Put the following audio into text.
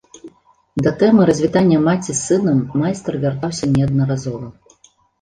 Да тэмы развітання маці з сынам майстар вяртаўся неаднаразова.